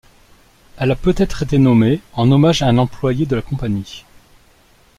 Elle a peut-être été nommée en hommage à un employé de la compagnie.